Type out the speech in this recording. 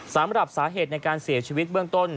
สำหรับสาเหตุในการเสียชีวิตเบื้องต้น